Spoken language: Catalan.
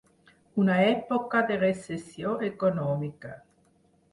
Una època de recessió econòmica.